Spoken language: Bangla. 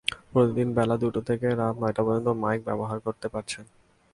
প্রতিদিন বেলা দুইটা থেকে রাত নয়টা পর্যন্ত মাইক ব্যবহার করতে পারছেন।